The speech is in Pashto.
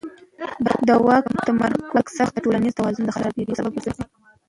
د واک تمرکز اکثره وخت د ټولنیز توازن د خرابېدو سبب کېږي